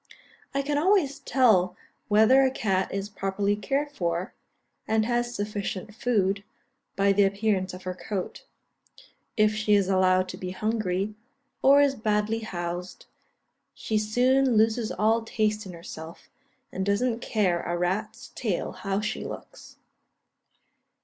I can always tell whether a cat is properly cared for, and has sufficient food, by the appearance of her coat. If she is allowed to be hungry, or is badly housed, she soon loses all taste in herself, and doesn't care a rat's tail how she looks.